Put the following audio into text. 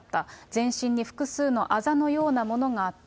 全身に複数のあざのようなものがあった。